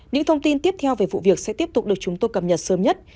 những thông tin tiếp theo về vụ việc sẽ tiếp tục được chúng tôi cập nhật sớm nhất